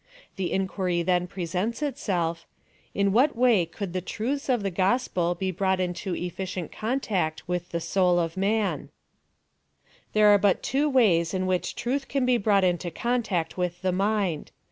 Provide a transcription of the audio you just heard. The inquiry then presents itself, In ivhat way could the truths of the gosppl be brought into elficietit contact with the soul of man 7 There are but two ways in which truth can be brought into contact wiili the mind.